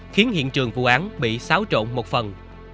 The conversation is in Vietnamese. khiến hiện trường vụ án bị xáo trộn một phần